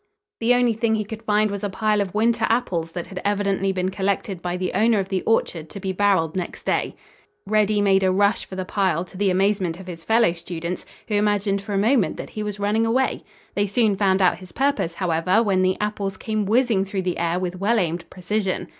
The only thing he could find was a pile of winter apples that had evidently been collected by the owner of the orchard to be barreled next day. Reddy made a rush for the pile, to the amazement of his fellow students, who imagined for a moment that he was running away. They soon found out his purpose, however, when the apples came whizzing through the air with well aimed precision.